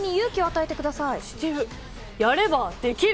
やれば、できる！